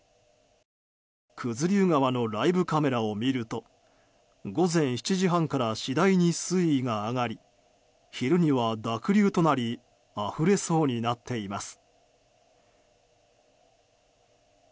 九頭竜川のライブカメラを見ると午前７時半から次第に水位が上がり昼には濁流となりあふれそうになっています。